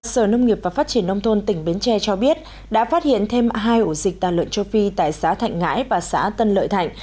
sở nông nghiệp và phát triển nông thôn tỉnh bến tre cho biết đã phát hiện thêm hai ổ dịch tà lợn châu phi tại xã thạnh ngãi và xã tân lợi thạnh